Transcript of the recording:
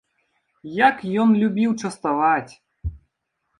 Як ён любіў частаваць!